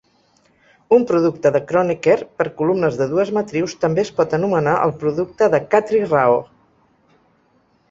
Un producte de Kronecker per columnes de dues matrius també es pot anomenar el producte de Khatri-Rao.